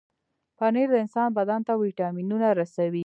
پنېر د انسان بدن ته وټامنونه رسوي.